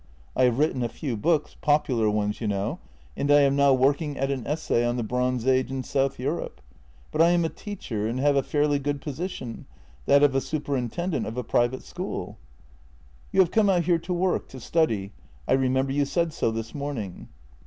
I have written a few books — popu lar ones, you know — and I am now working at an essay on the Bronze Age in South Europe. But I am a teacher, and have a fairly good position — that of a superintendent of a private school." " You have come out here to work, to study — I remember you said so this morning."